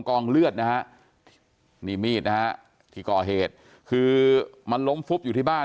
กองเลือดนะฮะนี่มีดนะฮะที่ก่อเหตุคือมันล้มฟุบอยู่ที่บ้าน